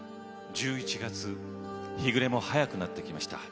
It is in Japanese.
１１月日暮れも早くなってきました。